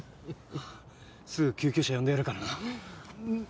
すぐ救急車呼んでやるからな。